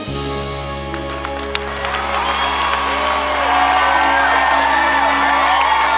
ให้